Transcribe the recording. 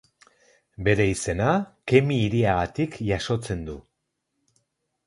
Bere izena Kemi hiriagatik jasotzen du.